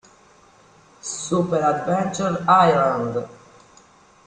Super Adventure Island